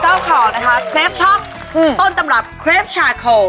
เจ้าของครีปช็อกต้นตำรับครีปชาโค